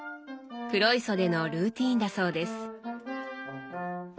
黒磯でのルーティーンだそうです。